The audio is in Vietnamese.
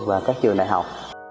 và các trường đại học